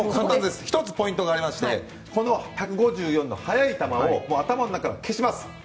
１つポイントがありまして１５４の速い球を頭の中から消します。